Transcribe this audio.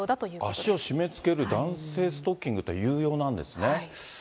足を締めつける弾性ストッキングって、有用なんですね。